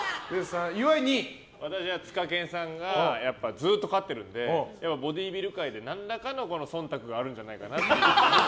私はツカケンさんがずっと勝ってるのでボディービル界で何らかの忖度があるんじゃないかなと。